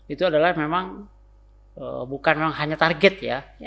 itu adalah memang bukan hanya target ya